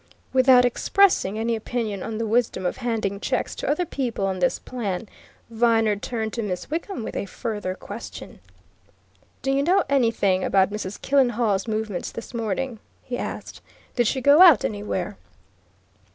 Without expressing any opinion on the wisdom of handing checks to other people on this plan, Viner turned to Miss Wickham with a further question. "Do you know anything about Mrs. Killenhall's movements this morning?" he asked. "Did she go out anywhere?"